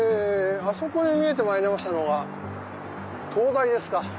あそこに見えてまいりましたのは東大ですか。